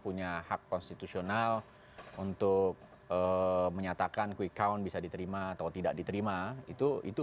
punya hak konstitusional untuk menyatakan quick count bisa diterima atau tidak diterima itu itu